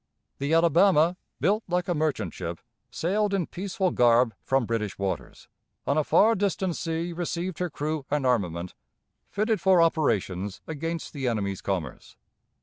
The Alabama, built like a merchant ship, sailed in peaceful garb from British waters, on a far distant sea received her crew and armament, fitted for operations against the enemy's commerce.